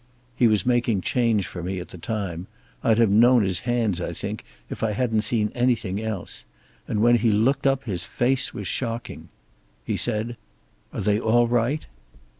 He was making change for me at the time I'd have known his hands, I think, if I hadn't seen anything else and when he looked up his face was shocking. He said, 'Are they all right?'